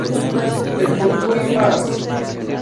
El "Pourquoi Pas?